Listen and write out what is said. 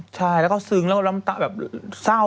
ใช่แล้วก็ซึ้งแล้วตาแบบเศร้า